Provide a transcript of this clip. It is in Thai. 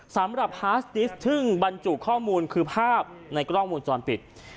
สำหรับพาร์ตสดิสทึ่งบรรจุข้อมูลคือภาพในกล้องมูลจรปิด